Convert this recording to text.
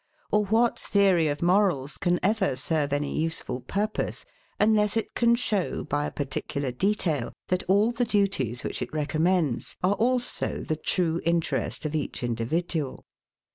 Or what theory of morals can ever serve any useful purpose, unless it can show, by a particular detail, that all the duties which it recommends, are also the true interest of each individual?